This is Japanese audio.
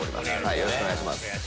よろしくお願いします。